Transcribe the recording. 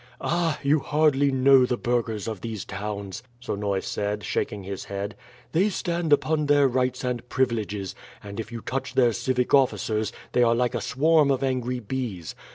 "Ah! you hardly know the burghers of these towns," Sonoy said, shaking his head. "They stand upon their rights and privileges, and if you touch their civic officers they are like a swarm of angry bees.